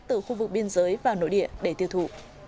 từ khu vực biên giới vào nội địa để tiêu thụ